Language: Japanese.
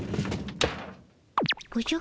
おじゃ。